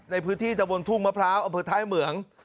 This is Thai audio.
ในพื้นที่ตะบนทุ่งมะพร้าวอำเภอท้ายเหมือง